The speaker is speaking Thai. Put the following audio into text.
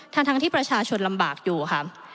ทั้งที่ประชาชนลำบากอยู่ค่ะ